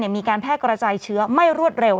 มีการแพร่กระจายเชื้อไม่รวดเร็ว